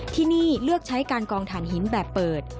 ที่นี่เลือกใช้การกองฐานหินแบบเปิด